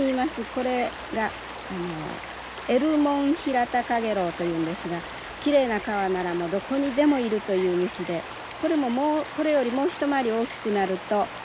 これがエルモンヒラタカゲロウというんですがきれいな川ならもうどこにでもいるという虫でこれもこれよりもう一回り大きくなると成虫になります。